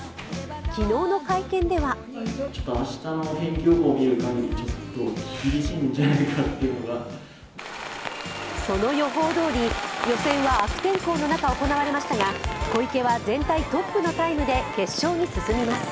昨日の会見ではその予報どおり予選は悪天候の中行われましたが小池は全体トップのタイムで決勝に進みます。